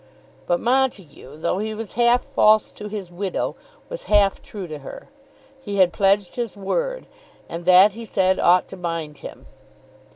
But Montague, though he was half false to his widow, was half true to her. He had pledged his word, and that he said ought to bind him.